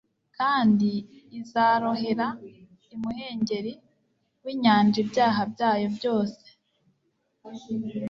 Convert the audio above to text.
kandi Izarohera imuhengeri w'inyanja ibyaha byabo byose.»